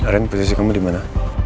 ren posisi kamu di mana